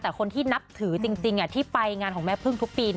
แต่คนที่นับถือจริงที่ไปงานของแม่พึ่งทุกปี